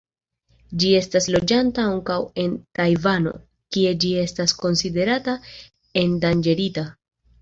Ĝi estas loĝanta ankaŭ en Tajvano, kie ĝi estas konsiderata endanĝerita.